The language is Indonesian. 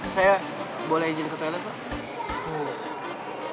saya boleh izin ke toilet pak